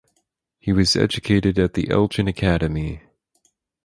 He was educated at the Elgin Academy.